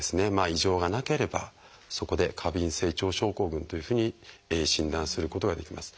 異常がなければそこで「過敏性腸症候群」というふうに診断することができます。